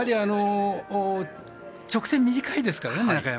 直線、短いですからね中山。